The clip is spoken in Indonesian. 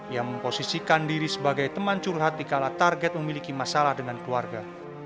ia memposisikan diri sebagai teman curhat dikala target memiliki masalah dengan keluarga